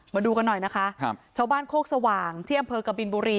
มาดูกันหน่อยนะคะครับชาวบ้านโคกสว่างที่อำเภอกบินบุรี